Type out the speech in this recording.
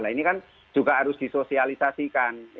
nah ini kan juga harus disosialisasikan